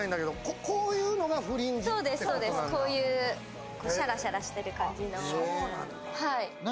そうです、こういうシャラシャラしてる感じの。